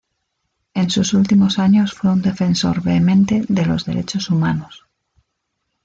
En sus últimos años fue un defensor vehemente de los derechos humanos.